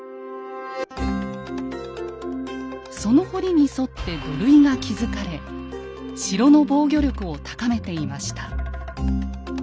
その堀に沿って土塁が築かれ城の防御力を高めていました。